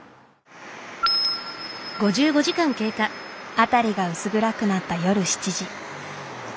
辺りが薄暗くなった夜７時。